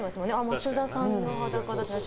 増田さんの裸だって。